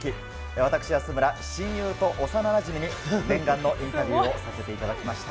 私、安村、親友と幼なじみに念願のインタビューをさせていただきました。